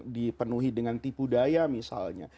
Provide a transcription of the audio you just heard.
dipenuhi dengan tipu daya misalnya